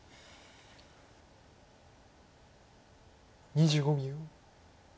２５秒。